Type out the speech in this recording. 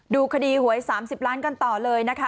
ดูคดีหวย๓๐ล้านกันต่อเลยนะคะ